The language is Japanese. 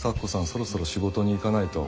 そろそろ仕事に行かないと。